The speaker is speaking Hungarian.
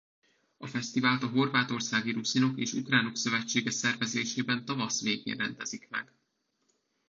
A fesztivált a Horvátországi Ruszinok és Ukránok Szövetsége szervezésében tavasz végén rendezik meg.